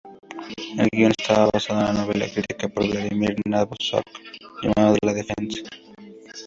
El guion está basado en la novela escrita por Vladimir Nabokov llamada "La Defensa".